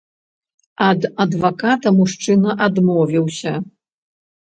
Ад адваката мужчына адмовіўся.